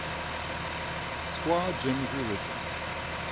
Squaw Jim's Religion.